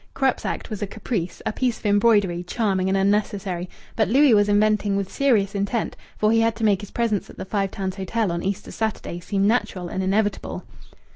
Krupp's act was a caprice, a piece of embroidery, charming and unnecessary. But Louis was inventing with serious intent, for he had to make his presence at the Five Towns Hotel on Easter Saturday seem natural and inevitable.